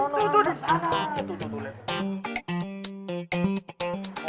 tuh tuh disana